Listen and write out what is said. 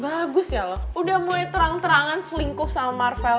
bagus ya loh udah mulai terang terangan selingkuh sama marvel